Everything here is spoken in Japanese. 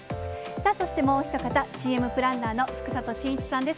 さあそして、もう一方、ＣＭプランナーの福里真一さんです。